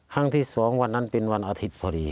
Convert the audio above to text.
ครั้งที่๒วันนั้นเป็นวันอาทิตย์พอดี